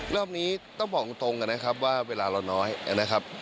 รอบนี้ต้องบอกตรงกันนะครับว่าเวลาเราน้อยนะครับ